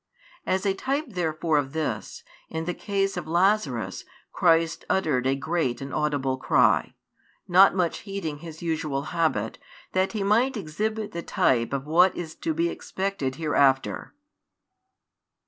As a type therefore of this, in the case of Lazarus Christ uttered a great and audible cry, not much heeding His usual habit, that He might exhibit the type of what is to be expected hereafter.